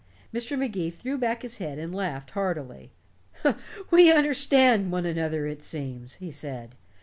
Mr. Magee threw back his head and laughed heartily. "We understand one another, it seems," he said.